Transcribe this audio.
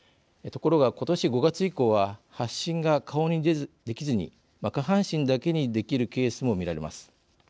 ところが、ことし５月以降は発疹が顔にできずに下半身だけにできるケースも見られます。